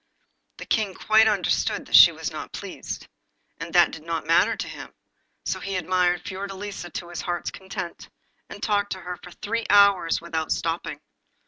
The King quite understood that she was not pleased, but that did not matter to him, so he admired Fiordelisa to his heart's content, and talked to her for three hours without stopping.